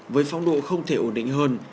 với phong độ không thể ổn định hơn